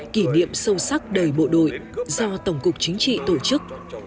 kỷ niệm sâu sắc đời bộ đội do tổng cục chính trị tổ chức